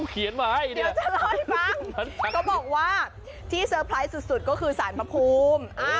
เดี๋ยวจะเล่าให้ฟังเขาบอกว่าที่สุดคือสารพะพูม